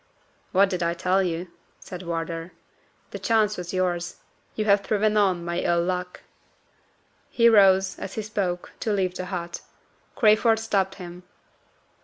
"What did I tell you?" said Wardour. "The chance was yours. You have thriven on my ill luck." He rose, as he spoke, to leave the hut. Crayford stopped him.